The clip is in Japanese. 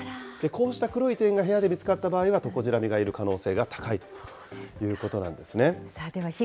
こうした黒い点が部屋で見つかった場合は、トコジラミがいる可能性が高いということなんですね。